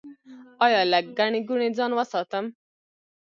ایا له ګڼې ګوڼې ځان وساتم؟